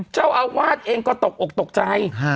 เจ้าอาวาสเองก็ตกอกตกใจ